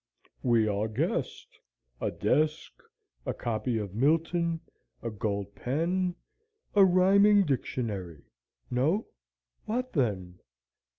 "We all guessed. 'A desk'; 'A copy of Milton'; 'A gold pen'; 'A rhyming dictionary? 'No? what then?'